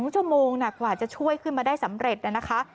๒ชั่วโมงกว่าจะช่วยขึ้นมาได้สำเร็จนะคะ